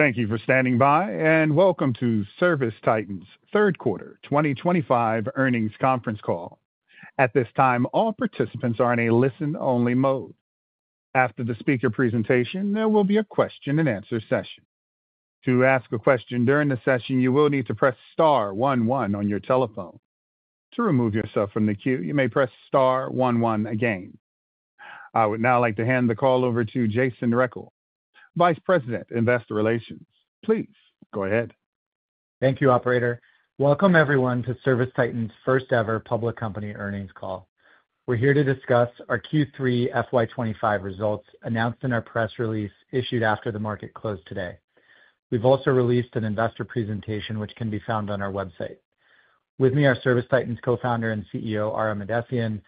Thank you for standing by, and welcome to ServiceTitan's Third Quarter 2025 Earnings Conference Call. At this time, all participants are in a listen-only mode. After the speaker presentation, there will be a question-and-answer session. To ask a question during the session, you will need to press Star 1-1 on your telephone. To remove yourself from the queue, you may press Star 1-1 again. I would now like to hand the call over to Jason Rechel, Vice President, Investor Relations. Please go ahead. Thank you, Operator. Welcome, everyone, to ServiceTitan's first-ever public company earnings call. We're here to discuss our Q3 FY25 results announced in our press release issued after the market closed today. We've also released an investor presentation, which can be found on our website. With me are ServiceTitan's Co-founder and CEO, Ara Mahdessian,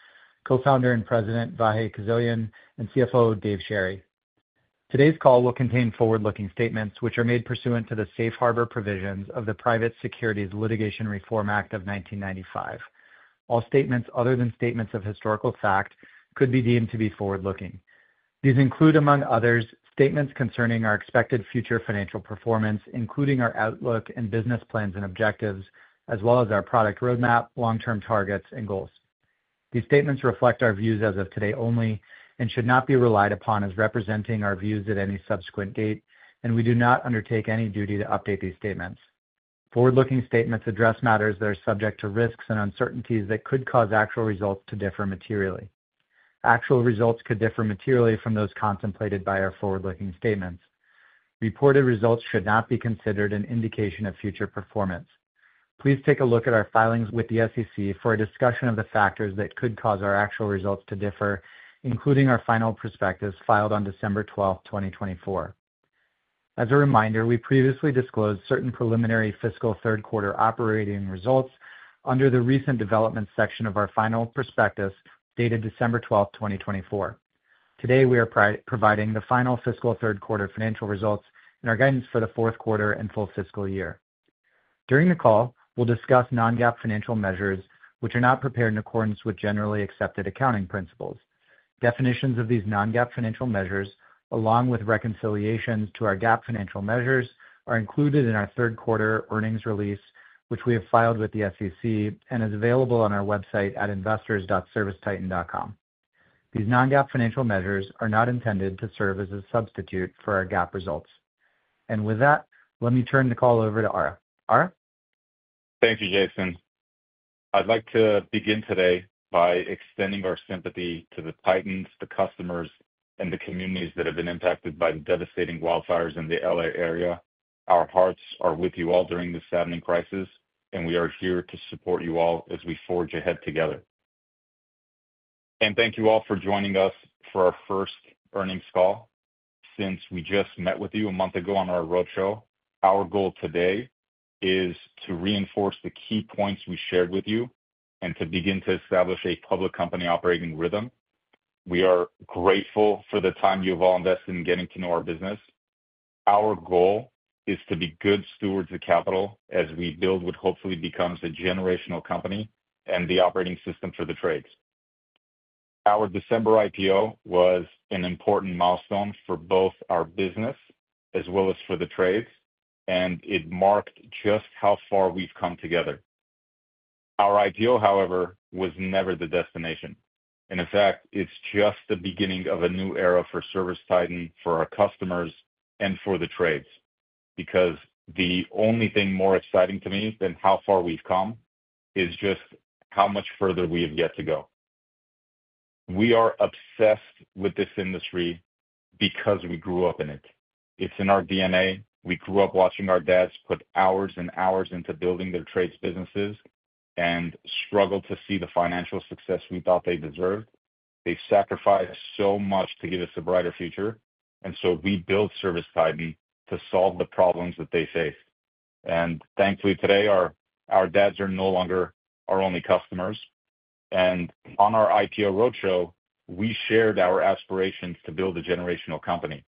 Co-founder and President, Vahe Kuzoyan, and CFO, Dave Sherry. Today's call will contain forward-looking statements, which are made pursuant to the safe harbor provisions of the Private Securities Litigation Reform Act of 1995. All statements other than statements of historical fact could be deemed to be forward-looking. These include, among others, statements concerning our expected future financial performance, including our outlook and business plans and objectives, as well as our product roadmap, long-term targets, and goals. These statements reflect our views as of today only and should not be relied upon as representing our views at any subsequent date, and we do not undertake any duty to update these statements. Forward-looking statements address matters that are subject to risks and uncertainties that could cause actual results to differ materially. Actual results could differ materially from those contemplated by our forward-looking statements. Reported results should not be considered an indication of future performance. Please take a look at our filings with the SEC for a discussion of the factors that could cause our actual results to differ, including our final prospectus filed on December 12, 2024. As a reminder, we previously disclosed certain preliminary fiscal third-quarter operating results under the recent development section of our final prospectus dated December 12, 2024. Today, we are providing the final fiscal third-quarter financial results and our guidance for the fourth quarter and full fiscal year. During the call, we'll discuss non-GAAP financial measures, which are not prepared in accordance with generally accepted accounting principles. Definitions of these non-GAAP financial measures, along with reconciliations to our GAAP financial measures, are included in our third-quarter earnings release, which we have filed with the SEC and is available on our website at investors.servicetitan.com. These non-GAAP financial measures are not intended to serve as a substitute for our GAAP results. And with that, let me turn the call over to Ara. Ara? Thank you, Jason. I'd like to begin today by extending our sympathy to the Titans, the customers, and the communities that have been impacted by the devastating wildfires in the LA area. Our hearts are with you all during this saddening crisis, and we are here to support you all as we forge ahead together, and thank you all for joining us for our first earnings call since we just met with you a month ago on our roadshow. Our goal today is to reinforce the key points we shared with you and to begin to establish a public company operating rhythm. We are grateful for the time you have all invested in getting to know our business. Our goal is to be good stewards of capital as we build what hopefully becomes a generational company and the operating system for the trades. Our December IPO was an important milestone for both our business as well as for the trades, and it marked just how far we've come together. Our IPO, however, was never the destination. In fact, it's just the beginning of a new era for ServiceTitan, for our customers, and for the trades, because the only thing more exciting to me than how far we've come is just how much further we have yet to go. We are obsessed with this industry because we grew up in it. It's in our DNA. We grew up watching our dads put hours and hours into building their trades businesses and struggled to see the financial success we thought they deserved. They sacrificed so much to give us a brighter future, and so we built ServiceTitan to solve the problems that they faced, and thankfully today, our dads are no longer our only customers. On our IPO roadshow, we shared our aspirations to build a generational company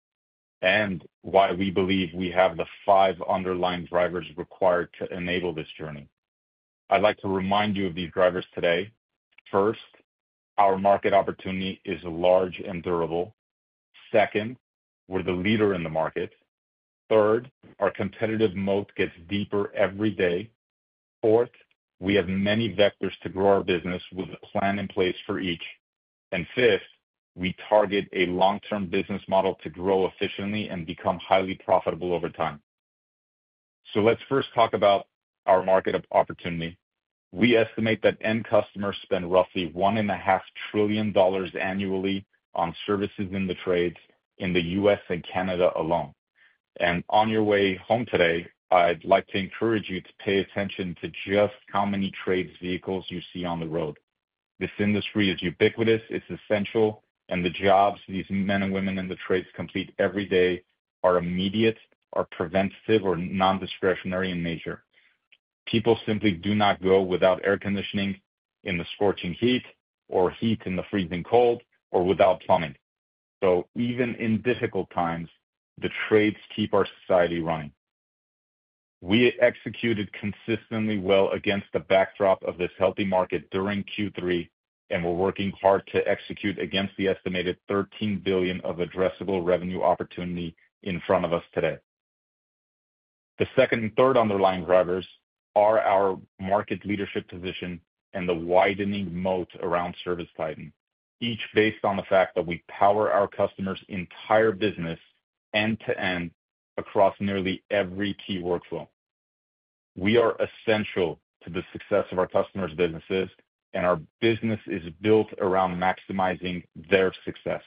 and why we believe we have the five underlying drivers required to enable this journey. I'd like to remind you of these drivers today. First, our market opportunity is large and durable. Second, we're the leader in the market. Third, our competitive moat gets deeper every day. Fourth, we have many vectors to grow our business with a plan in place for each. Fifth, we target a long-term business model to grow efficiently and become highly profitable over time. Let's first talk about our market opportunity. We estimate that end customers spend roughly $1.5 trillion annually on services in the trades in the U.S. and Canada alone. On your way home today, I'd like to encourage you to pay attention to just how many trades vehicles you see on the road. This industry is ubiquitous. It's essential, and the jobs these men and women in the trades complete every day are immediate, are preventative, or non-discretionary in nature. People simply do not go without air conditioning in the scorching heat or heat in the freezing cold or without plumbing. So even in difficult times, the trades keep our society running. We executed consistently well against the backdrop of this healthy market during Q3, and we're working hard to execute against the estimated $13 billion of addressable revenue opportunity in front of us today. The second and third underlying drivers are our market leadership position and the widening moat around ServiceTitan, each based on the fact that we power our customers' entire business end-to-end across nearly every key workflow. We are essential to the success of our customers' businesses, and our business is built around maximizing their success.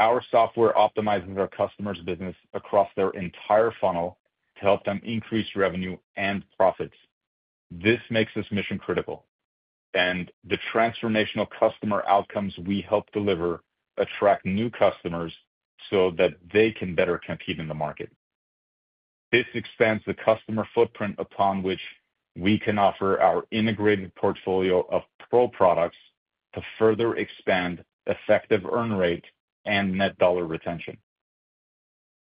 Our software optimizes our customers' business across their entire funnel to help them increase revenue and profits. This makes it mission critical, and the transformational customer outcomes we help deliver attract new customers so that they can better compete in the market. This expands the customer footprint upon which we can offer our integrated portfolio of Pro products to further expand Effective Earn Rate and Net Dollar Retention.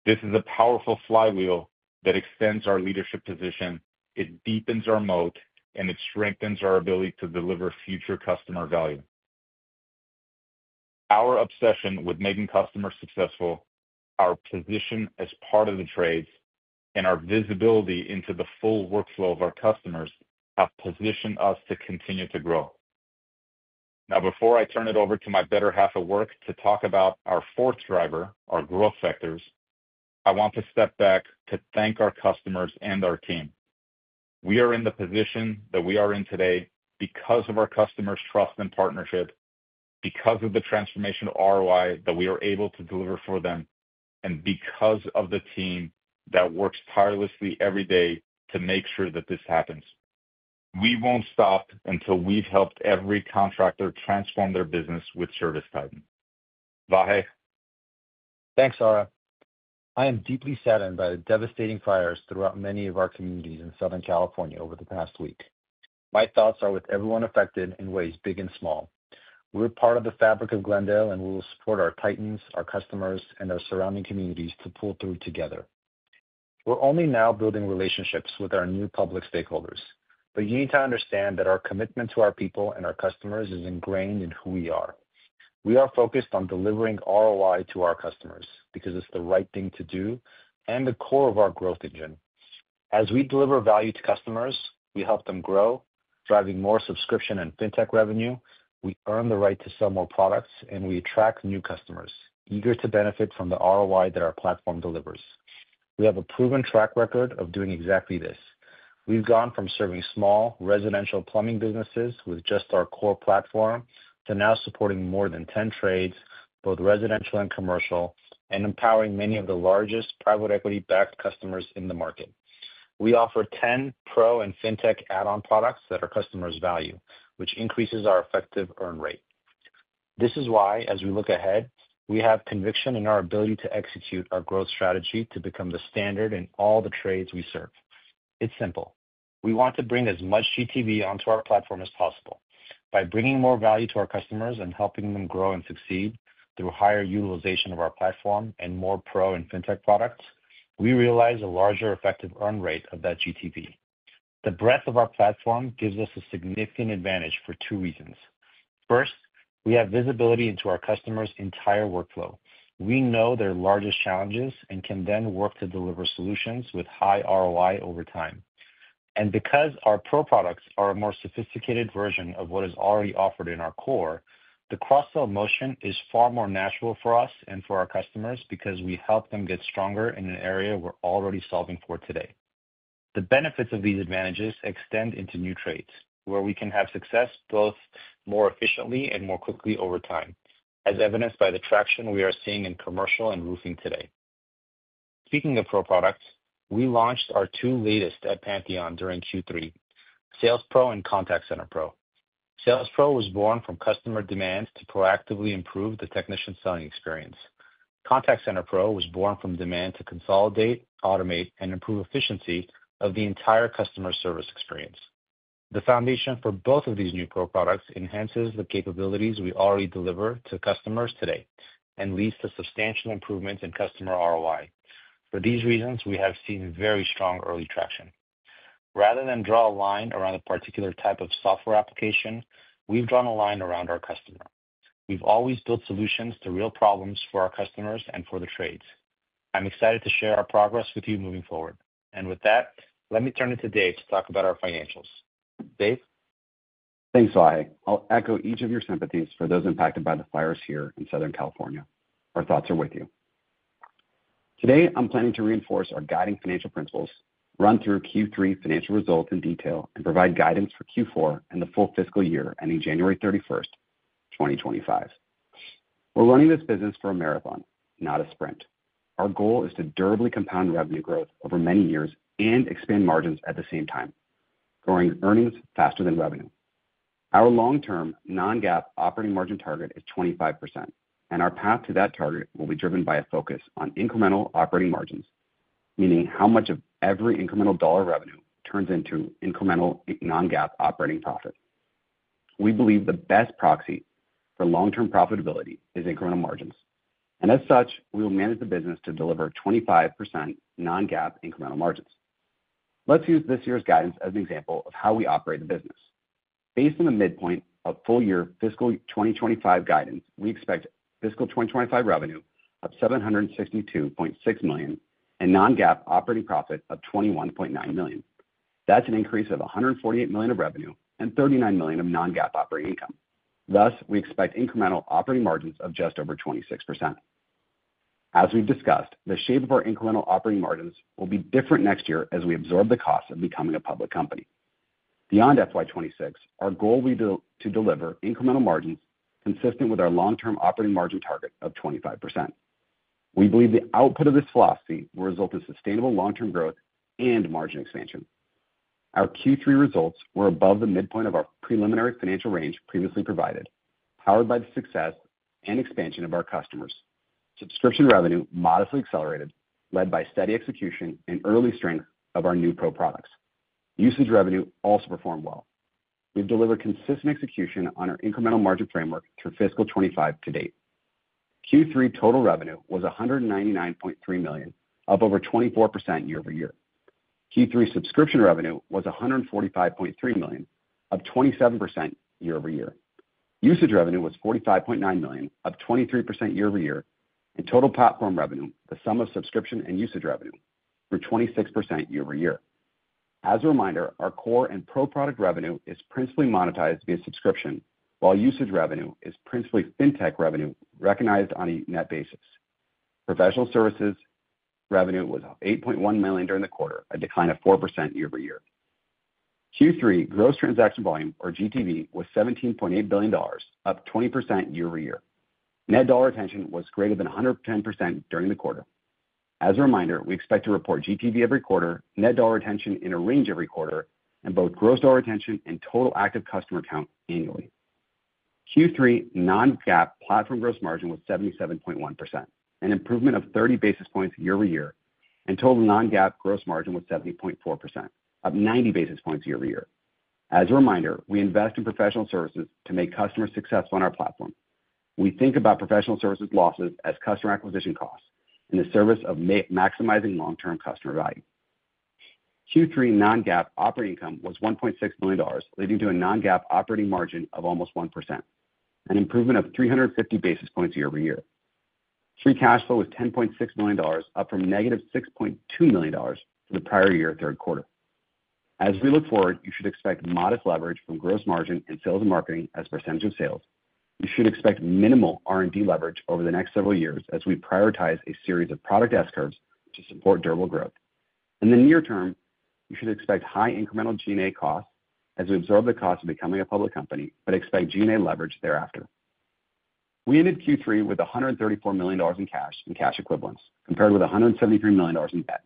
This is a powerful flywheel that extends our leadership position. It deepens our moat, and it strengthens our ability to deliver future customer value. Our obsession with making customers successful, our position as part of the trades, and our visibility into the full workflow of our customers have positioned us to continue to grow. Now, before I turn it over to my better half at work to talk about our fourth driver, our growth factors, I want to step back to thank our customers and our team. We are in the position that we are in today because of our customers' trust and partnership, because of the transformational ROI that we are able to deliver for them, and because of the team that works tirelessly every day to make sure that this happens. We won't stop until we've helped every contractor transform their business with ServiceTitan. Vahe. Thanks, Ara. I am deeply saddened by the devastating fires throughout many of our communities in Southern California over the past week. My thoughts are with everyone affected in ways big and small. We're part of the fabric of Glendale, and we will support our Titans, our customers, and our surrounding communities to pull through together. We're only now building relationships with our new public stakeholders, but you need to understand that our commitment to our people and our customers is ingrained in who we are. We are focused on delivering ROI to our customers because it's the right thing to do and the core of our growth engine. As we deliver value to customers, we help them grow, driving more subscription and fintech revenue. We earn the right to sell more products, and we attract new customers eager to benefit from the ROI that our platform delivers. We have a proven track record of doing exactly this. We've gone from serving small residential plumbing businesses with just our core platform to now supporting more than 10 trades, both residential and commercial, and empowering many of the largest private equity-backed customers in the market. We offer 10 Pro and fintech add-on products that our customers value, which increases our Effective Earn Rate. This is why, as we look ahead, we have conviction in our ability to execute our growth strategy to become the standard in all the trades we serve. It's simple. We want to bring as much GTV onto our platform as possible. By bringing more value to our customers and helping them grow and succeed through higher utilization of our platform and more Pro and fintech products, we realize a larger Effective Earn Rate of that GTV. The breadth of our platform gives us a significant advantage for two reasons. First, we have visibility into our customers' entire workflow. We know their largest challenges and can then work to deliver solutions with high ROI over time. And because our Pro products are a more sophisticated version of what is already offered in our core, the cross-sell motion is far more natural for us and for our customers because we help them get stronger in an area we're already solving for today. The benefits of these advantages extend into new trades, where we can have success both more efficiently and more quickly over time, as evidenced by the traction we are seeing in commercial and roofing today. Speaking of Pro products, we launched our two latest at Pantheon during Q3, Sales Pro and Contact Center Pro. Sales Pro was born from customer demand to proactively improve the technician selling experience. Contact Center Pro was born from demand to consolidate, automate, and improve efficiency of the entire customer service experience. The foundation for both of these new Pro products enhances the capabilities we already deliver to customers today and leads to substantial improvements in customer ROI. For these reasons, we have seen very strong early traction. Rather than draw a line around a particular type of software application, we've drawn a line around our customer. We've always built solutions to real problems for our customers and for the trades. I'm excited to share our progress with you moving forward. And with that, let me turn it to Dave to talk about our financials. Dave? Thanks, Ara. I'll echo each of your sympathies for those impacted by the fires here in Southern California. Our thoughts are with you. Today, I'm planning to reinforce our guiding financial principles, run through Q3 financial results in detail, and provide guidance for Q4 and the full fiscal year ending January 31, 2025. We're running this business for a marathon, not a sprint. Our goal is to durably compound revenue growth over many years and expand margins at the same time, growing earnings faster than revenue. Our long-term non-GAAP operating margin target is 25%, and our path to that target will be driven by a focus on incremental operating margins, meaning how much of every incremental dollar revenue turns into incremental non-GAAP operating profit. We believe the best proxy for long-term profitability is incremental margins, and as such, we will manage the business to deliver 25% non-GAAP incremental margins. Let's use this year's guidance as an example of how we operate the business. Based on the midpoint of full year fiscal 2025 guidance, we expect fiscal 2025 revenue of $762.6 million and non-GAAP operating profit of $21.9 million. That's an increase of $148 million of revenue and $39 million of non-GAAP operating income. Thus, we expect incremental operating margins of just over 26%. As we've discussed, the shape of our incremental operating margins will be different next year as we absorb the cost of becoming a public company. Beyond FY26, our goal will be to deliver incremental margins consistent with our long-term operating margin target of 25%. We believe the output of this philosophy will result in sustainable long-term growth and margin expansion. Our Q3 results were above the midpoint of our preliminary financial range previously provided, powered by the success and expansion of our customers. Subscription revenue modestly accelerated, led by steady execution and early strength of our new Pro products. Usage revenue also performed well. We've delivered consistent execution on our incremental margin framework through fiscal 25 to date. Q3 total revenue was $199.3 million, up over 24% year over year. Q3 subscription revenue was $145.3 million, up 27% year over year. Usage revenue was $45.9 million, up 23% year over year, and total platform revenue, the sum of subscription and usage revenue, grew 26% year over year. As a reminder, our core and Pro product revenue is principally monetized via subscription, while usage revenue is principally fintech revenue recognized on a net basis. Professional services revenue was $8.1 million during the quarter, a decline of 4% year over year. Q3 Gross Transaction Volume, or GTV, was $17.8 billion, up 20% year over year. Net dollar retention was greater than 110% during the quarter. As a reminder, we expect to report GTV every quarter, net dollar retention in a range every quarter, and both gross dollar retention and total active customer count annually. Q3 non-GAAP platform gross margin was 77.1%, an improvement of 30 basis points year over year, and total non-GAAP gross margin was 70.4%, up 90 basis points year over year. As a reminder, we invest in professional services to make customers successful on our platform. We think about professional services losses as customer acquisition costs in the service of maximizing long-term customer value. Q3 non-GAAP operating income was $1.6 million, leading to a non-GAAP operating margin of almost 1%, an improvement of 350 basis points year over year. Free cash flow was $10.6 million, up from negative $6.2 million for the prior year third quarter. As we look forward, you should expect modest leverage from gross margin and sales and marketing as a percentage of sales. You should expect minimal R&D leverage over the next several years as we prioritize a series of product S-curves to support durable growth. In the near term, you should expect high incremental G&A costs as we absorb the cost of becoming a public company, but expect G&A leverage thereafter. We ended Q3 with $134 million in cash and cash equivalents, compared with $173 million in debt.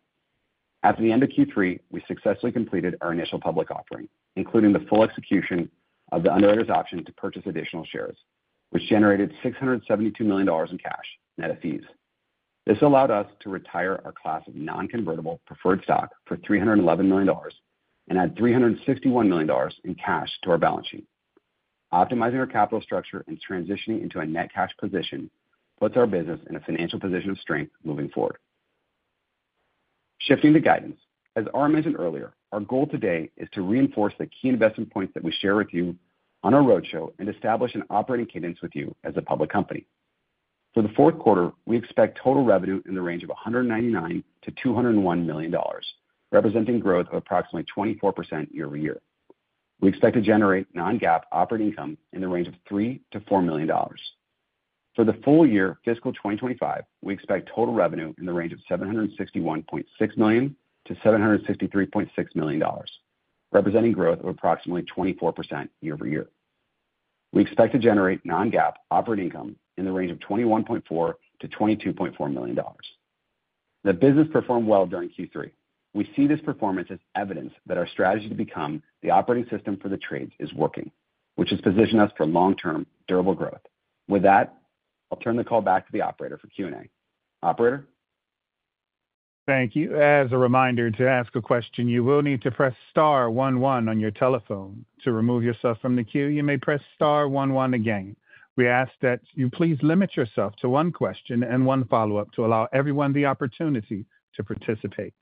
At the end of Q3, we successfully completed our initial public offering, including the full execution of the underwriter's option to purchase additional shares, which generated $672 million in cash, net of fees. This allowed us to retire our class of non-convertible preferred stock for $311 million and add $361 million in cash to our balance sheet. Optimizing our capital structure and transitioning into a net cash position puts our business in a financial position of strength moving forward. Shifting to guidance, as Ara mentioned earlier, our goal today is to reinforce the key investment points that we share with you on our roadshow and establish an operating cadence with you as a public company. For the fourth quarter, we expect total revenue in the range of $199-$201 million, representing growth of approximately 24% year over year. We expect to generate non-GAAP operating income in the range of $3-$4 million. For the full year fiscal 2025, we expect total revenue in the range of $761.6-$763.6 million, representing growth of approximately 24% year over year. We expect to generate non-GAAP operating income in the range of $21.4-$22.4 million. The business performed well during Q3. We see this performance as evidence that our strategy to become the operating system for the trades is working, which has positioned us for long-term durable growth. With that, I'll turn the call back to the operator for Q&A. Operator? Thank you. As a reminder to ask a question, you will need to press star 1-1 on your telephone. To remove yourself from the queue, you may press star 1-1 again. We ask that you please limit yourself to one question and one follow-up to allow everyone the opportunity to participate.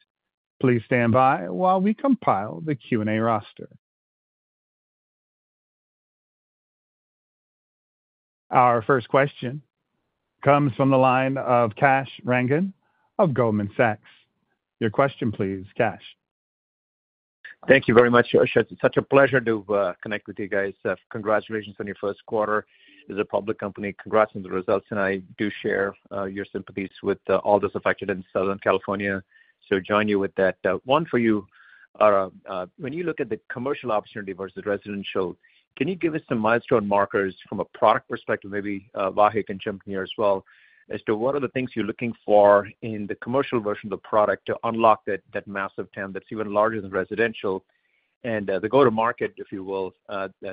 Please stand by while we compile the Q&A roster. Our first question comes from the line of Kash Rangan of Goldman Sachs. Your question, please, Kash. Thank you very much, Josh. It's such a pleasure to connect with you guys. Congratulations on your first quarter as a public company. Congrats on the results, and I do share your sympathies with all those affected in Southern California, so join you with that. One for you, Ara, when you look at the commercial opportunity versus residential, can you give us some milestone markers from a product perspective? Maybe Vahe can jump in here as well as to what are the things you're looking for in the commercial version of the product to unlock that massive TAM that's even larger than residential and the go-to-market, if you will,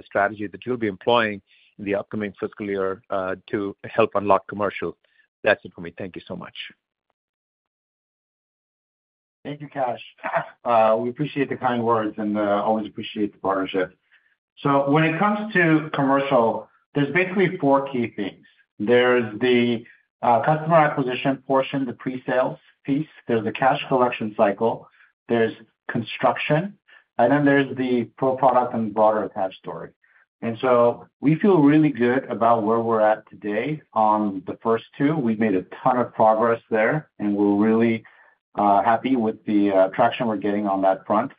strategy that you'll be employing in the upcoming fiscal year to help unlock commercial. That's it for me. Thank you so much. Thank you, Kash. We appreciate the kind words and always appreciate the partnership, so when it comes to commercial, there's basically four key things. There's the customer acquisition portion, the pre-sales piece. There's the cash collection cycle. There's construction, and then there's the Pro product and broader attached story, and so we feel really good about where we're at today on the first two. We've made a ton of progress there, and we're really happy with the traction we're getting on that front.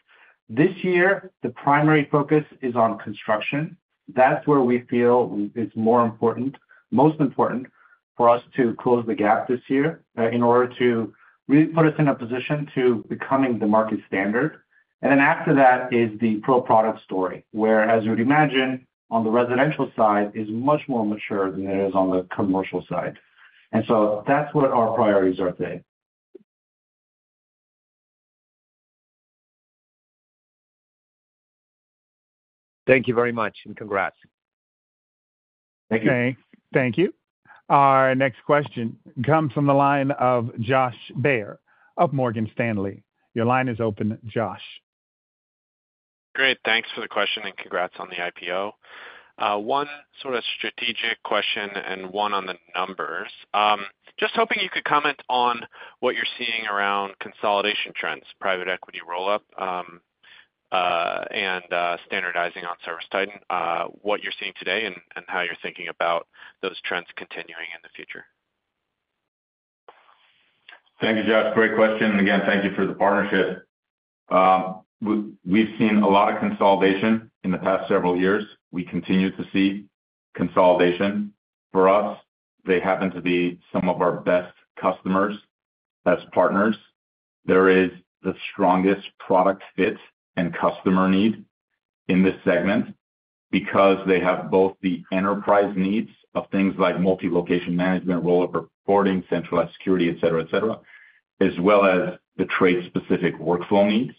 This year, the primary focus is on construction. That's where we feel it's more important, most important for us to close the gap this year in order to really put us in a position to becoming the market standard. And then after that is the Pro product story, where, as you would imagine, on the residential side is much more mature than it is on the commercial side. And so that's what our priorities are today. Thank you very much and congrats. Thank you. Thank you. Our next question comes from the line of Josh Baer of Morgan Stanley. Your line is open, Josh. Great. Thanks for the question and congrats on the IPO. One sort of strategic question and one on the numbers. Just hoping you could comment on what you're seeing around consolidation trends, private equity roll-up, and standardizing on ServiceTitan, what you're seeing today and how you're thinking about those trends continuing in the future. Thank you, Josh. Great question, and again, thank you for the partnership. We've seen a lot of consolidation in the past several years. We continue to see consolidation. For us, they happen to be some of our best customers as partners. There is the strongest product fit and customer need in this segment because they have both the enterprise needs of things like multi-location management, roll-up reporting, centralized security, etc., etc., as well as the trade-specific workflow needs.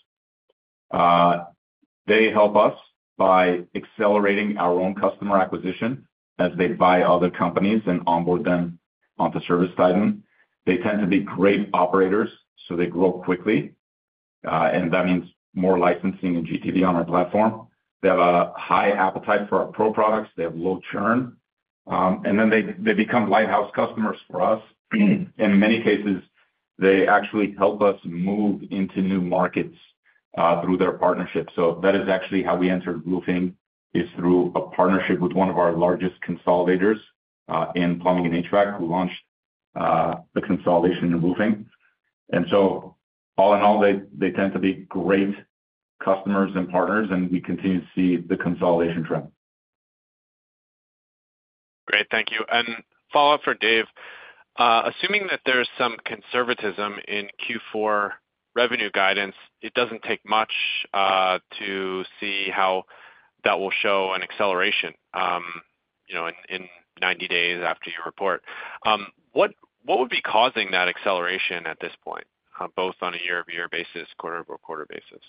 They help us by accelerating our own customer acquisition as they buy other companies and onboard them onto ServiceTitan. They tend to be great operators, so they grow quickly, and that means more licensing and GTV on our platform. They have a high appetite for our Pro products. They have low churn, and then they become lighthouse customers for us. In many cases, they actually help us move into new markets through their partnership, so that is actually how we entered roofing, is through a partnership with one of our largest consolidators in plumbing and HVAC, who launched the consolidation in roofing, and so all in all, they tend to be great customers and partners, and we continue to see the consolidation trend. Great. Thank you. And follow-up for Dave. Assuming that there's some conservatism in Q4 revenue guidance, it doesn't take much to see how that will show an acceleration in 90 days after your report. What would be causing that acceleration at this point, both on a year-over-year basis, quarter-over-quarter basis?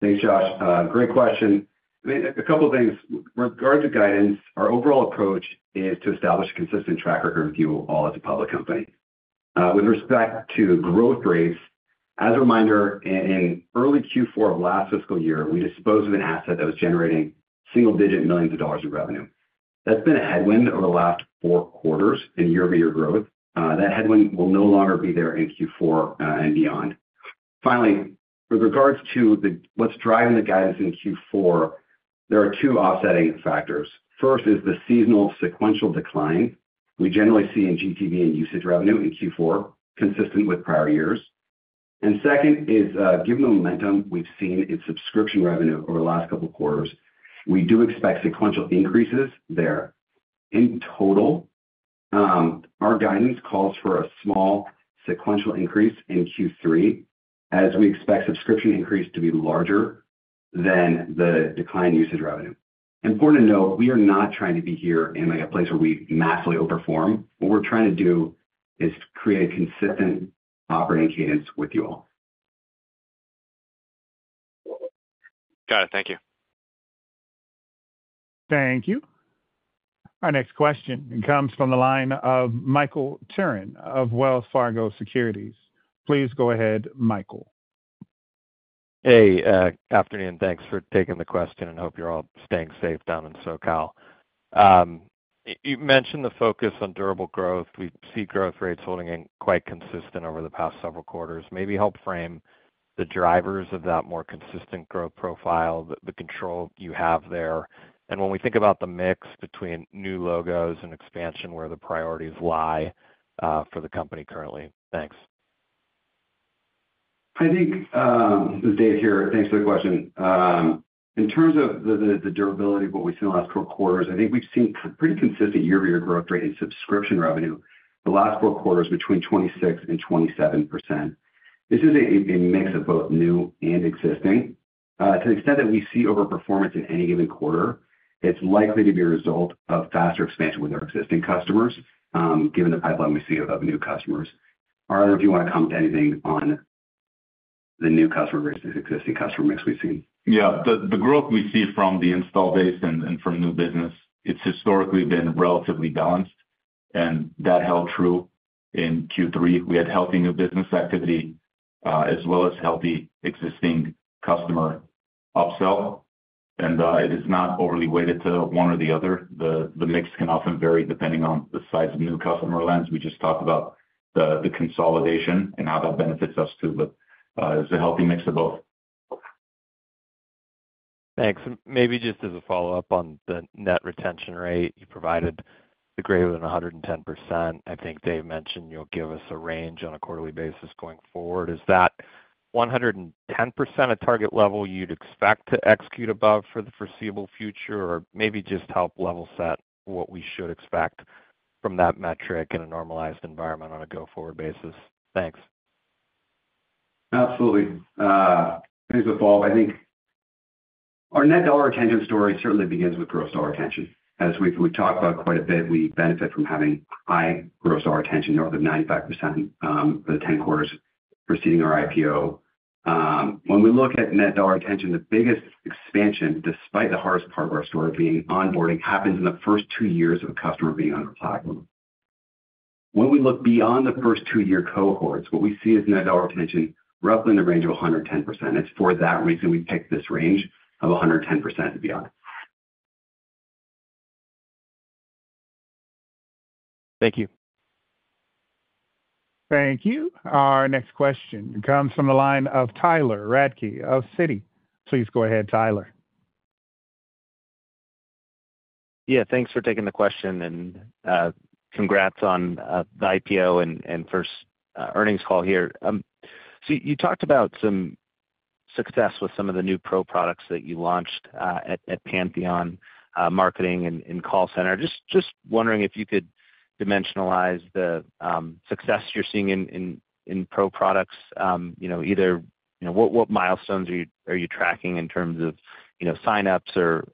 Thanks, Josh. Great question. A couple of things. With regard to guidance, our overall approach is to establish a consistent tracker here with you all as a public company. With respect to growth rates, as a reminder, in early Q4 of last fiscal year, we disposed of an asset that was generating single-digit millions of dollars in revenue. That's been a headwind over the last four quarters in year-over-year growth. That headwind will no longer be there in Q4 and beyond. Finally, with regards to what's driving the guidance in Q4, there are two offsetting factors. First is the seasonal sequential decline we generally see in GTV and usage revenue in Q4, consistent with prior years. And second is, given the momentum we've seen in subscription revenue over the last couple of quarters, we do expect sequential increases there. In total, our guidance calls for a small sequential increase in Q3, as we expect subscription increase to be larger than the decline in usage revenue. Important to note, we are not trying to be here in a place where we massively overperform. What we're trying to do is create a consistent operating cadence with you all. Got it. Thank you. Thank you. Our next question comes from the line of Michael Turrin of Wells Fargo Securities. Please go ahead, Michael. Hey, afternoon. Thanks for taking the question, and hope you're all staying safe down in SoCal. You mentioned the focus on durable growth. We see growth rates holding in quite consistent over the past several quarters. Maybe help frame the drivers of that more consistent growth profile, the control you have there. And when we think about the mix between new logos and expansion, where the priorities lie for the company currently. Thanks. I think Dave here, thanks for the question. In terms of the durability of what we've seen in the last quarters, I think we've seen pretty consistent year-over-year growth rate in subscription revenue. The last quarter was between 26% and 27%. This is a mix of both new and existing. To the extent that we see overperformance in any given quarter, it's likely to be a result of faster expansion with our existing customers, given the pipeline we see of new customers. Ara, if you want to comment anything on the new customer versus existing customer mix we've seen. Yeah. The growth we see from the installed base and from new business, it's historically been relatively balanced, and that held true in Q3. We had healthy new business activity as well as healthy existing customer upsell, and it is not overly weighted to one or the other. The mix can often vary depending on the size of new customer wins. We just talked about the consolidation and how that benefits us too, but it's a healthy mix of both. Thanks. Maybe just as a follow-up on the net retention rate, you provided the greater than 110%. I think Dave mentioned you'll give us a range on a quarterly basis going forward. Is that 110% a target level you'd expect to execute above for the foreseeable future, or maybe just help level set what we should expect from that metric in a normalized environment on a go-forward basis? Thanks. Absolutely. Thanks for the follow-up. I think our net dollar retention story certainly begins with gross dollar retention. As we've talked about quite a bit, we benefit from having high gross dollar retention, north of 95% for the 10 quarters preceding our IPO. When we look at net dollar retention, the biggest expansion, despite the hardest part of our story being onboarding, happens in the first two years of a customer being on the platform. When we look beyond the first two-year cohorts, what we see is net dollar retention roughly in the range of 110%. It's for that reason we picked this range of 110% and beyond. Thank you. Thank you. Our next question comes from the line of Tyler Radke of Citi. Please go ahead, Tyler. Yeah. Thanks for taking the question. And congrats on the IPO and first earnings call here. So you talked about some success with some of the new Pro products that you launched at Pantheon, Marketing Pro, and Contact Center Pro. Just wondering if you could dimensionalize the success you're seeing in Pro products. Either what milestones are you tracking in terms of sign-ups or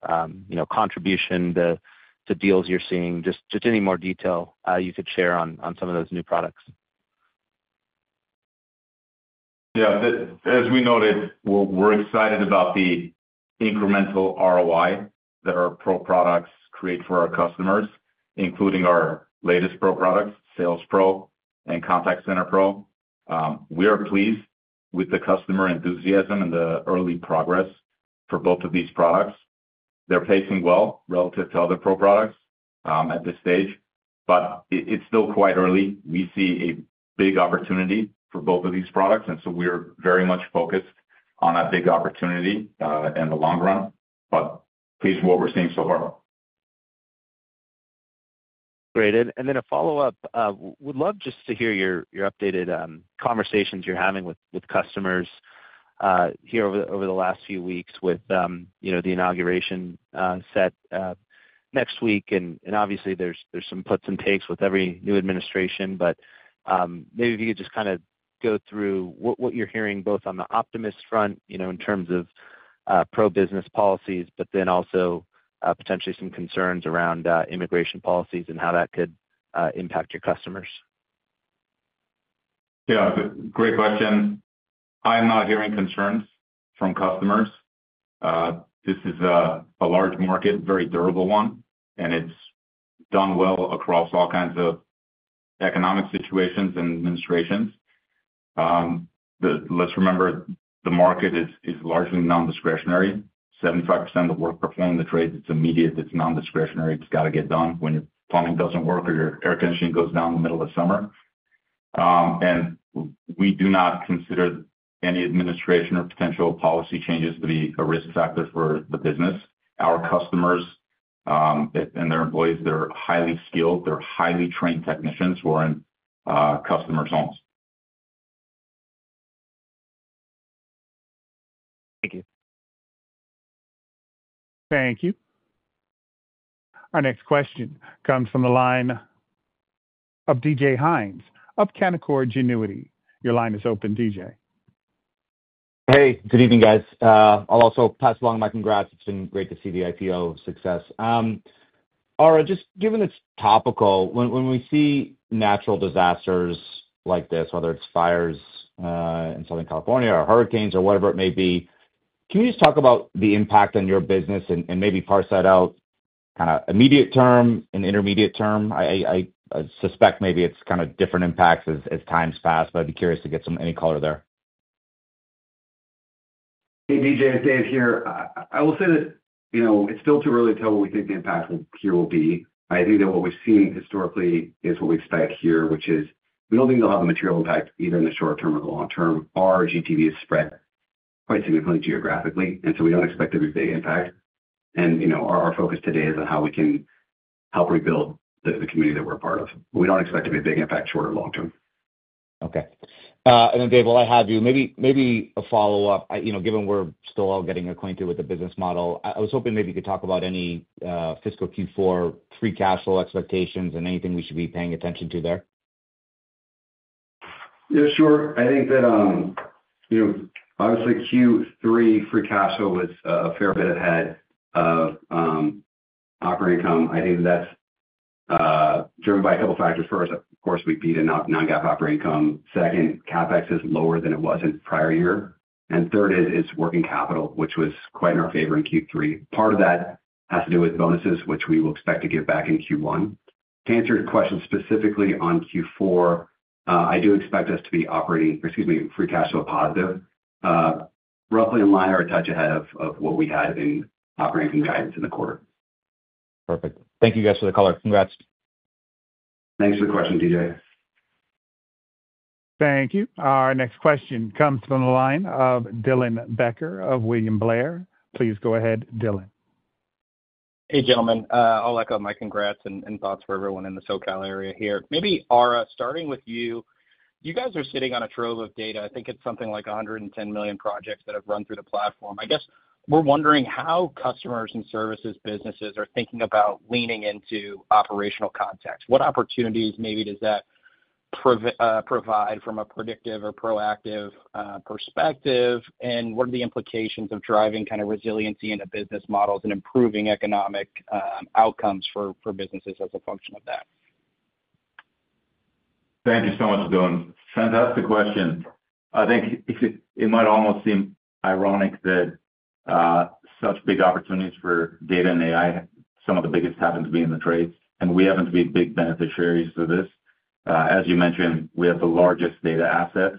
contribution to deals you're seeing? Just any more detail you could share on some of those new products. Yeah. As we noted, we're excited about the incremental ROI that our Pro products create for our customers, including our latest Pro products, Sales Pro and Contact Center Pro. We are pleased with the customer enthusiasm and the early progress for both of these products. They're pacing well relative to other Pro products at this stage. But it's still quite early. We see a big opportunity for both of these products. And so we're very much focused on that big opportunity in the long run. But pleased with what we're seeing so far. Great. And then a follow-up. Would love just to hear your updated conversations you're having with customers here over the last few weeks with the inauguration set next week. And obviously, there's some puts and takes with every new administration. But maybe if you could just kind of go through what you're hearing both on the optimist front in terms of pro-business policies, but then also potentially some concerns around immigration policies and how that could impact your customers. Yeah. Great question. I'm not hearing concerns from customers. This is a large market, very durable one. And it's done well across all kinds of economic situations and administrations. Let's remember, the market is largely nondiscretionary. 75% of the work performed, the trade, it's immediate. It's nondiscretionary. It's got to get done when your plumbing doesn't work or your air conditioning goes down in the middle of summer. And we do not consider any administration or potential policy changes to be a risk factor for the business. Our customers and their employees, they're highly skilled. They're highly trained technicians who are in customers' homes. Thank you. Thank you. Our next question comes from the line of DJ Hynes of Canaccord Genuity. Your line is open, DJ. Hey. Good evening, guys. I'll also pass along my congrats. It's been great to see the IPO success. Ara, just given it's topical, when we see natural disasters like this, whether it's fires in Southern California or hurricanes or whatever it may be, can you just talk about the impact on your business and maybe parse that out kind of immediate term and intermediate term? I suspect maybe it's kind of different impacts as time's passed, but I'd be curious to get some color there. Hey, DJ, it's Dave here. I will say that it's still too early to tell what we think the impact here will be. I think that what we've seen historically is what we expect here, which is we don't think they'll have a material impact either in the short term or the long term. Our GTV has spread quite significantly geographically, and so we don't expect to be a big impact. And our focus today is on how we can help rebuild the community that we're a part of. We don't expect to be a big impact short or long term. Okay. And then, Dave, while I have you, maybe a follow-up, given we're still all getting acquainted with the business model, I was hoping maybe you could talk about any fiscal Q4 free cash flow expectations and anything we should be paying attention to there. Yeah, sure. I think that obviously Q3 free cash flow was a fair bit ahead of operating income. I think that that's driven by a couple of factors. First, of course, we beat a non-GAAP operating income. Second, CapEx is lower than it was in prior year. And third is it's working capital, which was quite in our favor in Q3. Part of that has to do with bonuses, which we will expect to give back in Q1. To answer your question specifically on Q4, I do expect us to be operating, excuse me, free cash flow positive, roughly in line or a touch ahead of what we had in operating income guidance in the quarter. Perfect. Thank you, guys, for the color. Congrats. Thanks for the question, DJ. Thank you. Our next question comes from the line of Dylan Becker of William Blair. Please go ahead, Dylan. Hey, gentlemen. I'll echo my congrats and thoughts for everyone in the SoCal area here. Maybe, Ara, starting with you, you guys are sitting on a trove of data. I think it's something like 110 million projects that have run through the platform. I guess we're wondering how customers and service businesses are thinking about leaning into operational context. What opportunities maybe does that provide from a predictive or proactive perspective? And what are the implications of driving kind of resiliency in a business model and improving economic outcomes for businesses as a function of that? Thank you so much, Dylan. Fantastic question. I think it might almost seem ironic that such big opportunities for data and AI, some of the biggest happen to be in the trades. And we happen to be big beneficiaries of this. As you mentioned, we have the largest data asset.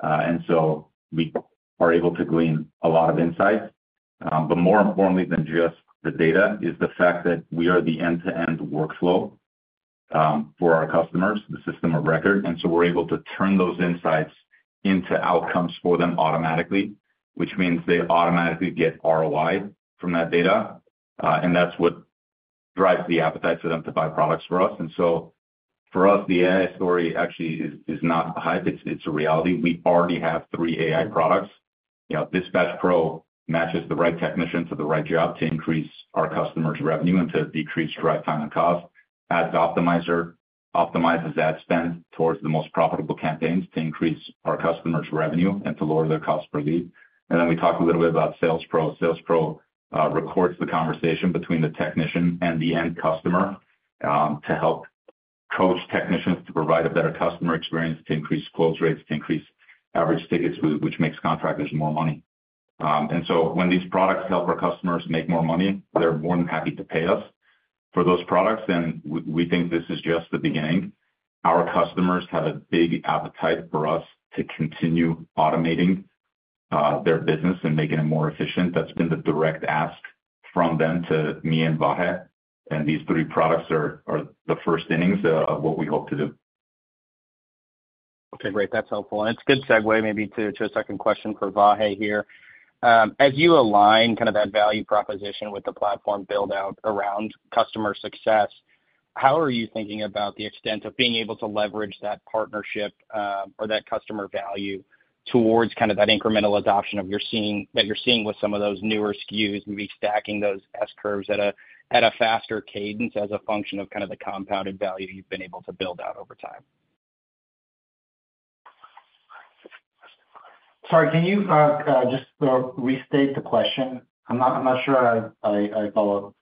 And so we are able to glean a lot of insights. But more importantly than just the data is the fact that we are the end-to-end workflow for our customers, the system of record. And so we're able to turn those insights into outcomes for them automatically, which means they automatically get ROI from that data. And that's what drives the appetite for them to buy products for us. And so for us, the AI story actually is not a hype. It's a reality. We already have three AI products. Dispatch Pro matches the right technician to the right job to increase our customer's revenue and to decrease drive time and cost. Ads Optimizer optimizes ad spend towards the most profitable campaigns to increase our customer's revenue and to lower their cost per lead, and then we talked a little bit about Sales Pro. Sales Pro records the conversation between the technician and the end customer to help coach technicians to provide a better customer experience, to increase close rates, to increase average tickets, which makes contractors more money, and so when these products help our customers make more money, they're more than happy to pay us for those products, and we think this is just the beginning. Our customers have a big appetite for us to continue automating their business and making it more efficient. That's been the direct ask from them to me and Vahe. These three products are the first innings of what we hope to do. Okay. Great. That's helpful. And it's a good segue maybe to a second question for Vahe here. As you align kind of that value proposition with the platform build-out around customer success, how are you thinking about the extent of being able to leverage that partnership or that customer value towards kind of that incremental adoption that you're seeing with some of those newer SKUs and maybe stacking those S-curves at a faster cadence as a function of kind of the compounded value you've been able to build out over time? Sorry, can you just restate the question? I'm not sure I follow up.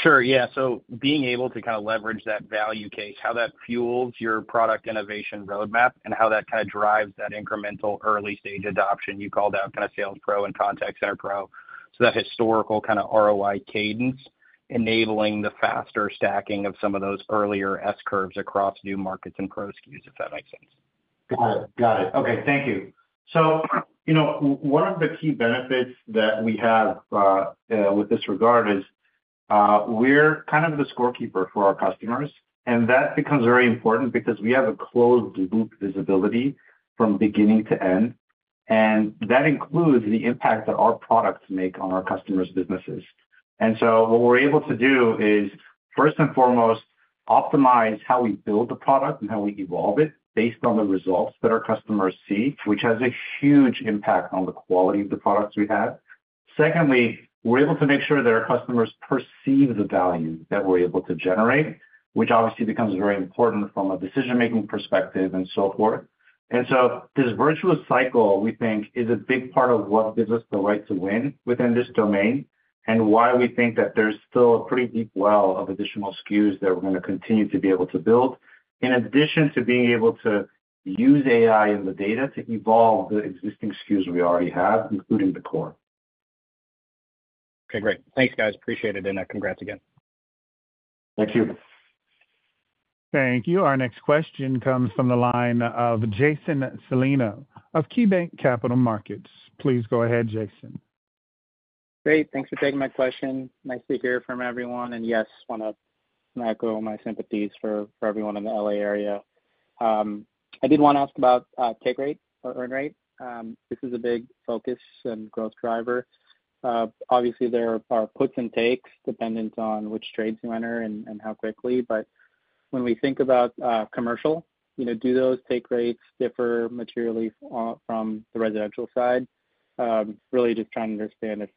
Sure. Yeah. So being able to kind of leverage that value case, how that fuels your product innovation roadmap, and how that kind of drives that incremental early-stage adoption you called out, kind of Sales Pro and Contact Center Pro, so that historical kind of ROI cadence enabling the faster stacking of some of those earlier S-curves across new markets and Pro SKUs, if that makes sense. Got it. Okay. Thank you. So one of the key benefits that we have with this regard is we're kind of the scorekeeper for our customers. And that becomes very important because we have a closed-loop visibility from beginning to end. And that includes the impact that our products make on our customers' businesses. And so what we're able to do is, first and foremost, optimize how we build the product and how we evolve it based on the results that our customers see, which has a huge impact on the quality of the products we have. Secondly, we're able to make sure that our customers perceive the value that we're able to generate, which obviously becomes very important from a decision-making perspective and so forth. And so this virtuous cycle, we think, is a big part of what gives us the right to win within this domain and why we think that there's still a pretty deep well of additional SKUs that we're going to continue to be able to build, in addition to being able to use AI and the data to evolve the existing SKUs we already have, including the core. Okay. Great. Thanks, guys. Appreciate it, and congrats again. Thank you. Thank you. Our next question comes from the line of Jason Celino of KeyBanc Capital Markets. Please go ahead, Jason. Great. Thanks for taking my question. Nice to hear from everyone. And yes, I want to echo my sympathies for everyone in the LA area. I did want to ask about take rate or earn rate. This is a big focus and growth driver. Obviously, there are puts and takes dependent on which trades you enter and how quickly. But when we think about commercial, do those take rates differ materially from the residential side? Really just trying to understand if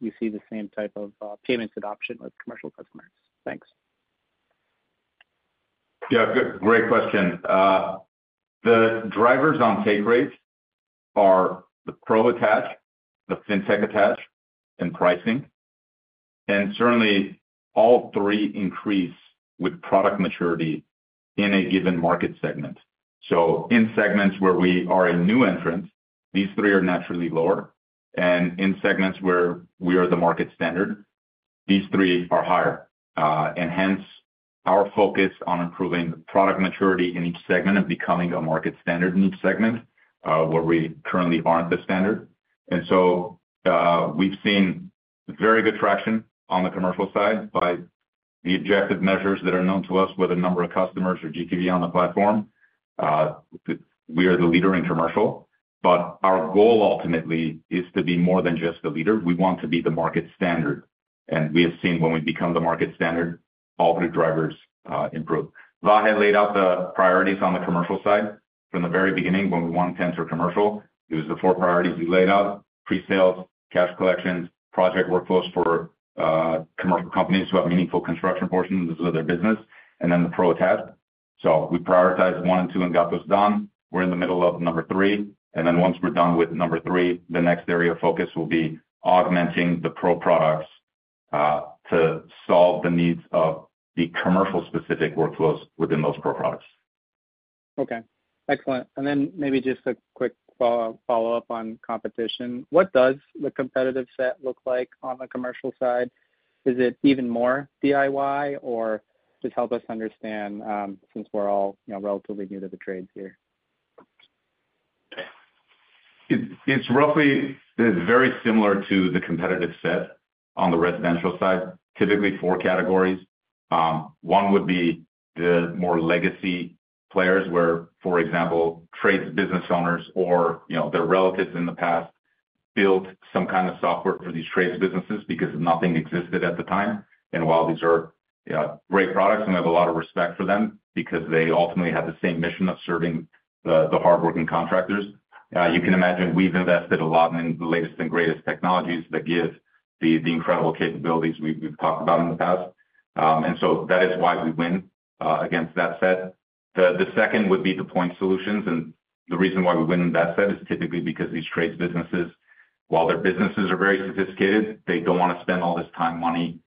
you see the same type of payments adoption with commercial customers. Thanks. Yeah. Great question. The drivers on take rate are the Pro attach, the fintech attach, and pricing. And certainly, all three increase with product maturity in a given market segment. So in segments where we are a new entrant, these three are naturally lower. And in segments where we are the market standard, these three are higher. And hence, our focus on improving product maturity in each segment and becoming a market standard in each segment where we currently aren't the standard. And so we've seen very good traction on the commercial side by the objective measures that are known to us with a number of customers or GTV on the platform. We are the leader in commercial. But our goal ultimately is to be more than just the leader. We want to be the market standard. We have seen when we become the market standard, all three drivers improve. Vahe laid out the priorities on the commercial side. From the very beginning, when we wanted to enter commercial, it was the four priorities we laid out: pre-sales, cash collections, project workflows for commercial companies who have meaningful construction portions of their business, and then the Pro attach. So we prioritized one and two and got those done. We're in the middle of number three. Once we're done with number three, the next area of focus will be augmenting the Pro products to solve the needs of the commercial-specific workflows within those Pro products. Okay. Excellent. And then maybe just a quick follow-up on competition. What does the competitive set look like on the commercial side? Is it even more DIY, or just help us understand since we're all relatively new to the trades here? It's roughly very similar to the competitive set on the residential side, typically four categories. One would be the more legacy players where, for example, trades business owners or their relatives in the past built some kind of software for these trades businesses because nothing existed at the time. And while these are great products, and we have a lot of respect for them because they ultimately had the same mission of serving the hardworking contractors, you can imagine we've invested a lot in the latest and greatest technologies that give the incredible capabilities we've talked about in the past. And so that is why we win against that set. The second would be the point solutions. The reason why we win that set is typically because these trades businesses, while their businesses are very sophisticated, they don't want to spend all this time and money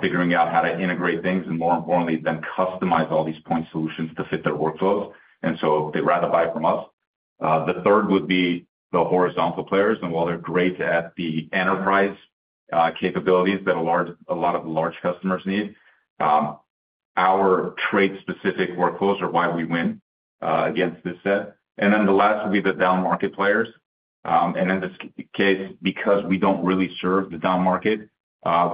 figuring out how to integrate things and, more importantly, then customize all these point solutions to fit their workflows, so they'd rather buy from us. The third would be the horizontal players, while they're great at the enterprise capabilities that a lot of large customers need, our trade-specific workflows are why we win against this set, then the last would be the down market players. In this case, because we don't really serve the down market,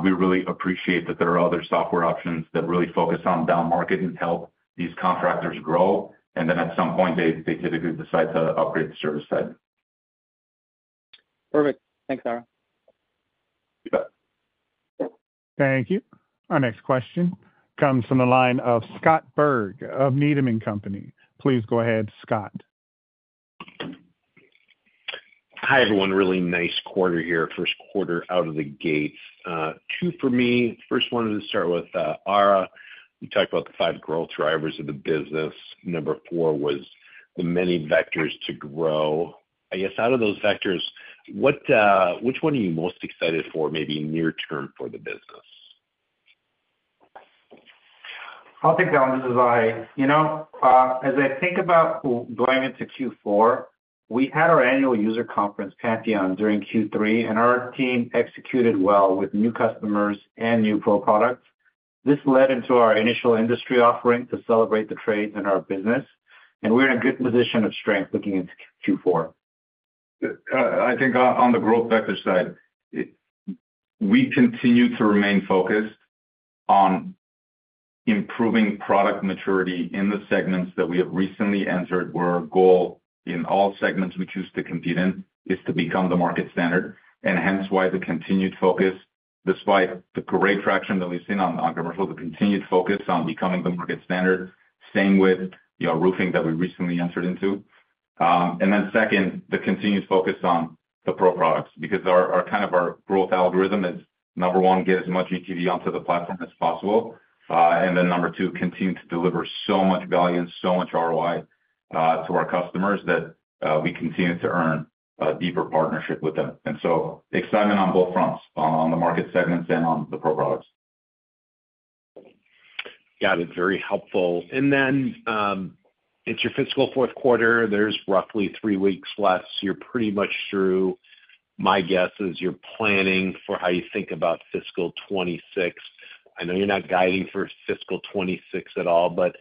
we really appreciate that there are other software options that really focus on down market and help these contractors grow, then at some point, they typically decide to upgrade the ServiceTitan. Perfect. Thanks, Ara. Thank you. Our next question comes from the line of Scott Berg of Needham & Company. Please go ahead, Scott. Hi, everyone. Really nice quarter here. First quarter out of the gates. Two for me. First one is to start with Ara. We talked about the five growth drivers of the business. Number four was the many vectors to grow. I guess out of those vectors, which one are you most excited for maybe near-term for the business? I'll take that one. As I think about going into Q4, we had our annual user conference, Pantheon, during Q3, and our team executed well with new customers and new Pro products. This led into our initial industry offering to celebrate the trades in our business, and we're in a good position of strength looking into Q4. I think on the growth vector side, we continue to remain focused on improving product maturity in the segments that we have recently entered, where our goal in all segments we choose to compete in is to become the market standard, and hence why the continued focus, despite the great traction that we've seen on commercial, the continued focus on becoming the market standard, same with roofing that we recently entered into, and then second, the continued focus on the Pro products because kind of our growth algorithm is, number one, get as much GTV onto the platform as possible, and then number two, continue to deliver so much value and so much ROI to our customers that we continue to earn a deeper partnership with them, and so excitement on both fronts, on the market segments and on the Pro products. Got it. Very helpful. And then it's your fiscal fourth quarter. There's roughly three weeks left. You're pretty much through. My guess is you're planning for how you think about fiscal 2026. I know you're not guiding for fiscal 2026 at all. But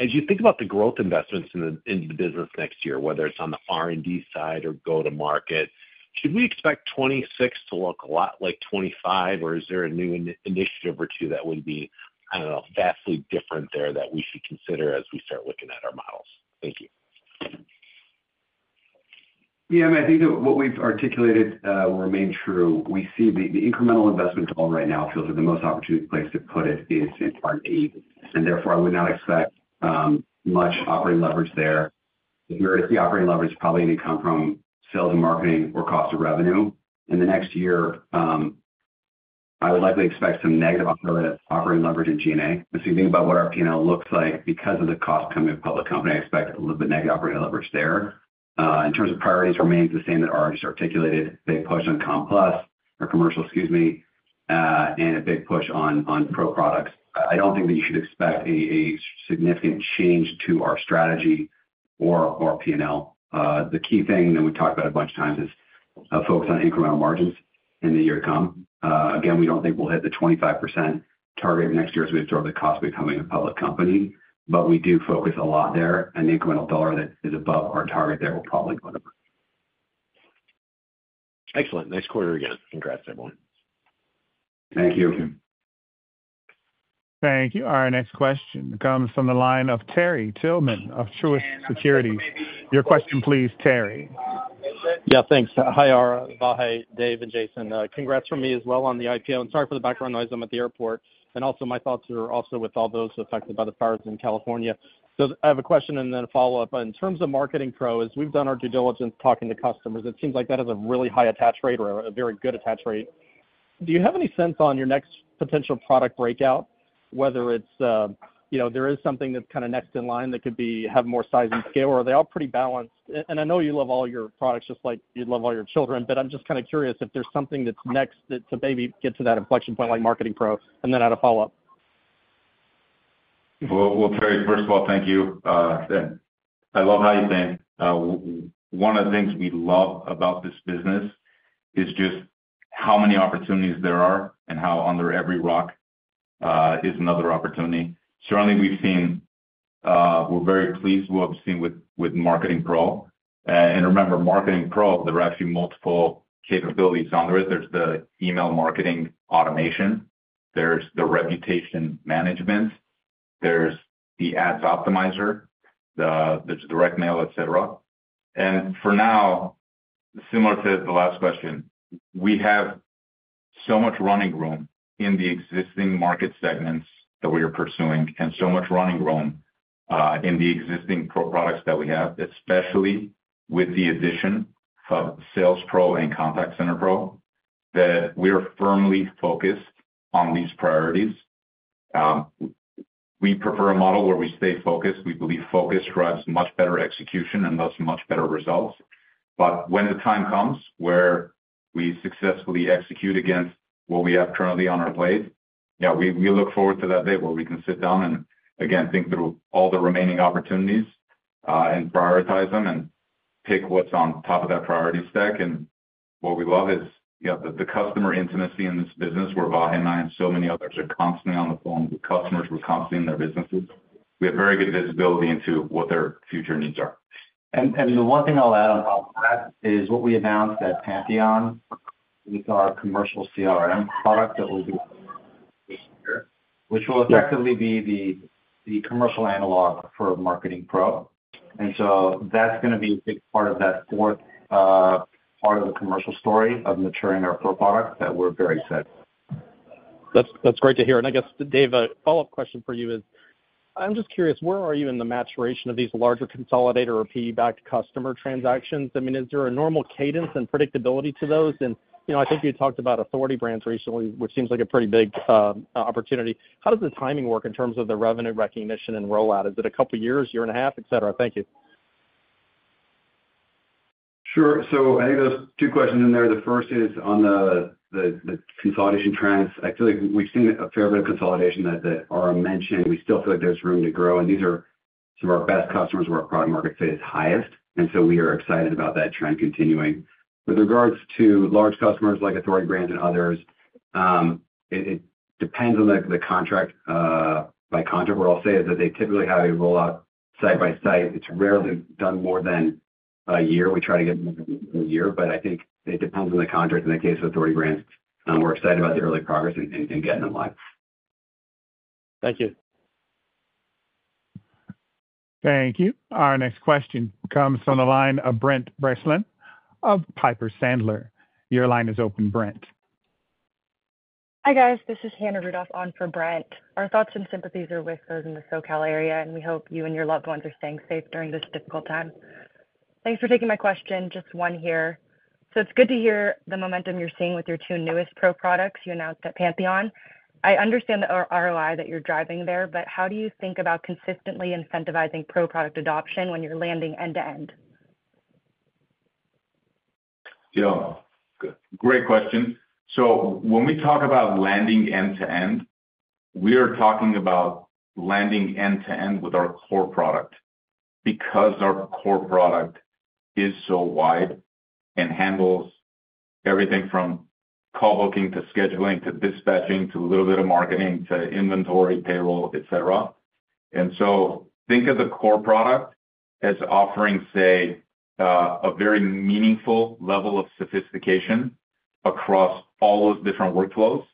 as you think about the growth investments in the business next year, whether it's on the R&D side or go-to-market, should we expect 2026 to look a lot like 2025, or is there a new initiative or two that would be, I don't know, vastly different there that we should consider as we start looking at our models? Thank you. Yeah. I mean, I think that what we've articulated will remain true. We see the incremental investment done right now feels like the most opportune place to put it is in R&D. And therefore, I would not expect much operating leverage there. If you were to see operating leverage, it's probably going to come from sales and marketing or cost of revenue. And the next year, I would likely expect some negative operating leverage in G&A. So you think about what our P&L looks like because of the cost coming from public company. I expect a little bit of negative operating leverage there. In terms of priorities, it remains the same that Ara just articulated. Big push on Complus or commercial, excuse me, and a big push on Pro products. I don't think that you should expect a significant change to our strategy or our P&L. The key thing that we talked about a bunch of times is focus on incremental margins in the year to come. Again, we don't think we'll hit the 25% target next year as we absorb the cost of becoming a public company. But we do focus a lot there. And the incremental dollar that is above our target there will probably go to. Excellent. Nice quarter again. Congrats, everyone. Thank you. Thank you. Our next question comes from the line of Terry Tillman of Truist Securities. Your question, please, Terry. Yeah. Thanks. Hi, Ara, Vahe, Dave, and Jason. Congrats from me as well on the IPO. Sorry for the background noise. I'm at the airport. Also, my thoughts are also with all those affected by the fires in California. I have a question and then a follow-up. In terms of Marketing Pro, we've done our due diligence talking to customers. It seems like that has a really high attach rate or a very good attach rate. Do you have any sense on your next potential product breakout, whether it's there is something that's kind of next in line that could have more size and scale, or are they all pretty balanced? I know you love all your products just like you'd love all your children, but I'm just kind of curious if there's something that's next to maybe get to that inflection point like Marketing Pro, and then I'd follow up. Terry, first of all, thank you. I love how you think. One of the things we love about this business is just how many opportunities there are and how under every rock is another opportunity. Certainly, we've seen. We're very pleased with what we've seen with Marketing Pro. And remember, Marketing Pro, there are actually multiple capabilities on there. There's the email marketing automation. There's the reputation management. There's the Ads Optimizer. There's direct mail, etc. And for now, similar to the last question, we have so much running room in the existing market segments that we are pursuing and so much running room in the existing Pro products that we have, especially with the addition of Sales Pro and Contact Center Pro, that we are firmly focused on these priorities. We prefer a model where we stay focused. We believe focus drives much better execution and thus much better results. But when the time comes where we successfully execute against what we have currently on our plate, yeah, we look forward to that day where we can sit down and, again, think through all the remaining opportunities and prioritize them and pick what's on top of that priority stack. And what we love is the customer intimacy in this business where Vahe and I and so many others are constantly on the phone with customers who are constantly in their businesses. We have very good visibility into what their future needs are. And the one thing I'll add on top of that is what we announced at Pantheon with our commercial CRM product that we'll be releasing this year, which will effectively be the commercial analog for Marketing Pro. And so that's going to be a big part of that fourth part of the commercial story of maturing our Pro product that we're very excited about. That's great to hear, and I guess, Dave, a follow-up question for you is I'm just curious, where are you in the maturation of these larger consolidator or PE-backed customer transactions? I mean, is there a normal cadence and predictability to those? And I think you talked about Authority Brands recently, which seems like a pretty big opportunity. How does the timing work in terms of the revenue recognition and rollout? Is it a couple of years, year and a half, etc.? Thank you. Sure. So I think there's two questions in there. The first is on the consolidation trends. I feel like we've seen a fair bit of consolidation that Ara mentioned. We still feel like there's room to grow. And these are some of our best customers where our product-market fit is highest. And so we are excited about that trend continuing. With regards to large customers like Authority Brands and others, it depends on the contract by contract. What I'll say is that they typically have a rollout site by site. It's rarely done more than a year. We try to get more than a year. But I think it depends on the contract in the case of Authority Brands. We're excited about the early progress in getting them live. Thank you. Thank you. Our next question comes from the line of Brent Bracelin of Piper Sandler. Your line is open, Brent. Hi, guys. This is Hannah Rudolph on for Brent. Our thoughts and sympathies are with those in the SoCal area, and we hope you and your loved ones are staying safe during this difficult time. Thanks for taking my question. Just one here. So it's good to hear the momentum you're seeing with your two newest Pro products you announced at Pantheon. I understand the ROI that you're driving there, but how do you think about consistently incentivizing Pro product adoption when you're landing end-to-end? Yeah. Great question. So when we talk about landing end-to-end, we are talking about landing end-to-end with our core product because our core product is so wide and handles everything from call booking to scheduling to dispatching to a little bit of marketing to inventory, payroll, etc. And so think of the core product as offering, say, a very meaningful level of sophistication across all those different workflows.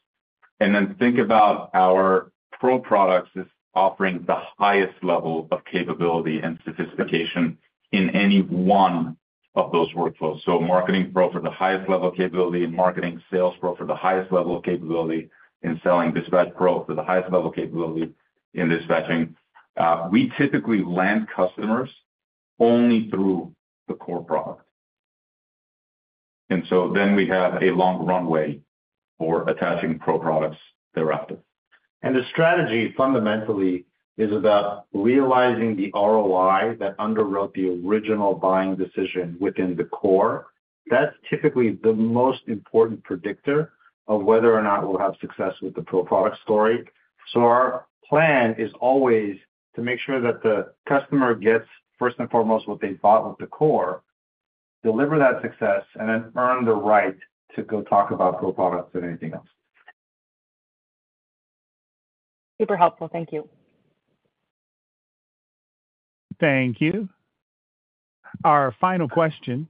And then think about our Pro products as offering the highest level of capability and sophistication in any one of those workflows. So Marketing Pro for the highest level of capability in marketing, Sales Pro for the highest level of capability in selling, Dispatch Pro for the highest level of capability in dispatching. We typically land customers only through the core product. And so then we have a long runway for attaching Pro products thereafter. And the strategy fundamentally is about realizing the ROI that underwrote the original buying decision within the core. That's typically the most important predictor of whether or not we'll have success with the Pro product story. So our plan is always to make sure that the customer gets first and foremost what they bought with the core, deliver that success, and then earn the right to go talk about Pro products and anything else. Super helpful. Thank you. Thank you. Our final question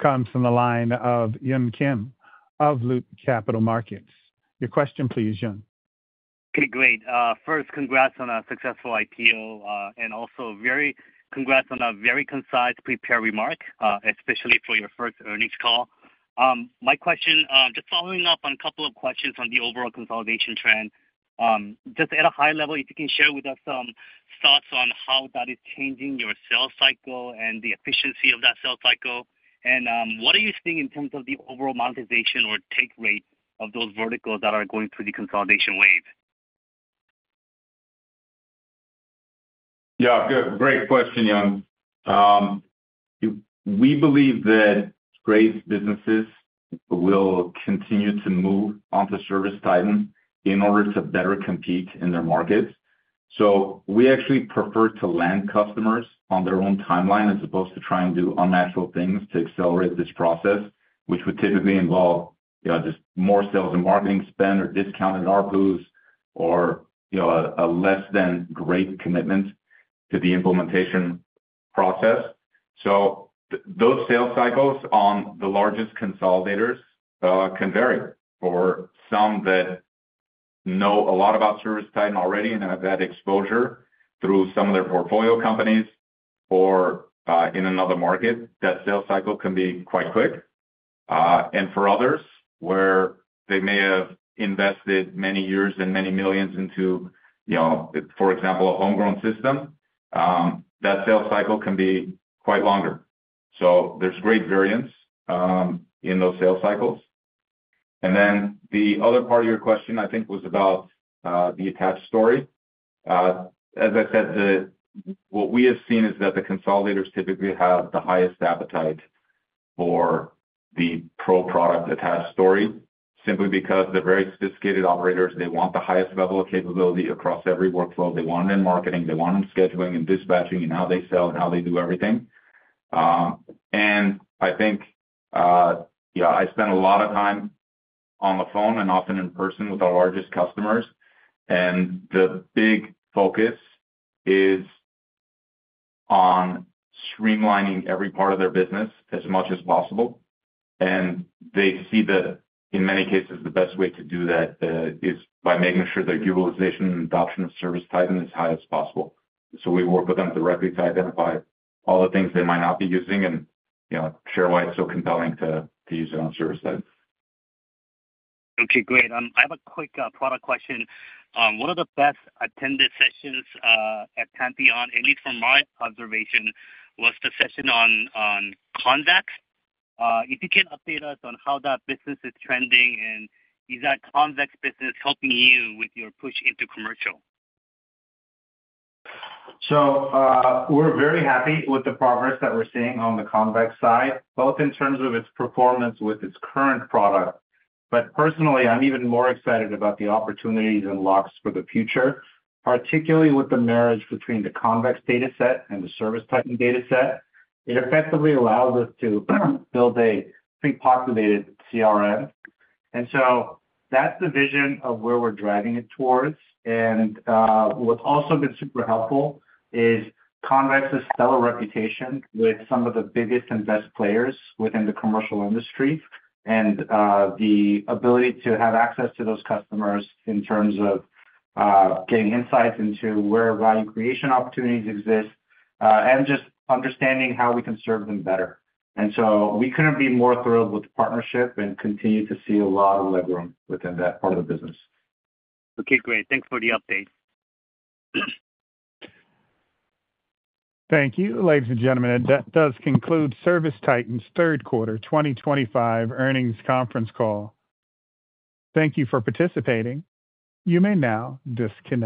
comes from the line of Yun Kim of Loop Capital Markets. Your question, please, Yun. Okay. Great. First, congrats on a successful IPO and also very congrats on a very concise, prepared remark, especially for your first earnings call. My question, just following up on a couple of questions on the overall consolidation trend, just at a high level, if you can share with us some thoughts on how that is changing your sales cycle and the efficiency of that sales cycle? And what are you seeing in terms of the overall monetization or take rate of those verticals that are going through the consolidation wave? Yeah. Great question, Yun. We believe that great businesses will continue to move onto ServiceTitan in order to better compete in their markets. So we actually prefer to land customers on their own timeline as opposed to try and do unnatural things to accelerate this process, which would typically involve just more sales and marketing spend or discounted RPUs or a less-than-great commitment to the implementation process. So those sales cycles on the largest consolidators can vary for some that know a lot about ServiceTitan already and have had exposure through some of their portfolio companies or in another market. That sales cycle can be quite quick. And for others where they may have invested many years and many millions into, for example, a homegrown system, that sales cycle can be quite longer. So there's great variance in those sales cycles. And then the other part of your question, I think, was about the attach story. As I said, what we have seen is that the consolidators typically have the highest appetite for the Pro product add-on story simply because they're very sophisticated operators. They want the highest level of capability across every workflow. They want it in marketing. They want it in scheduling and dispatching and how they sell and how they do everything. And I think, yeah, I spend a lot of time on the phone and often in person with our largest customers. And the big focus is on streamlining every part of their business as much as possible. And they see that, in many cases, the best way to do that is by making sure their utilization and adoption of ServiceTitan is as high as possible. So we work with them directly to identify all the things they might not be using and share why it's so compelling to use it on ServiceTitan. Okay. Great. I have a quick product question. One of the best attended sessions at Pantheon, at least from my observation, was the session on Convex. If you can update us on how that business is trending and is that Convex business helping you with your push into commercial? So we're very happy with the progress that we're seeing on the Convex side, both in terms of its performance with its current product. But personally, I'm even more excited about the opportunities unlocked for the future, particularly with the marriage between the Convex dataset and the ServiceTitan dataset. It effectively allows us to build a pre-populated CRM. And so that's the vision of where we're driving it towards. And what's also been super helpful is Convex's stellar reputation with some of the biggest and best players within the commercial industry and the ability to have access to those customers in terms of getting insights into where value creation opportunities exist and just understanding how we can serve them better. And so we couldn't be more thrilled with the partnership and continue to see a lot of legroom within that part of the business. Okay. Great. Thanks for the update. Thank you, ladies and gentlemen. And that does conclude ServiceTitan's third quarter 2025 earnings conference call. Thank you for participating. You may now disconnect.